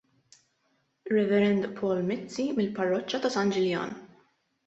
Rev. Paul Mizzi mill-Parroċċa ta' San Ġiljan.